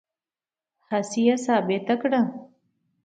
هسې یې ټانټه کړه.